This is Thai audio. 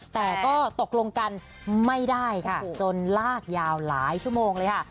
แต่ก็ตกลงกันไม่ได้ค่ะจนลากยาวหลายชั่วโมงเลยค่ะ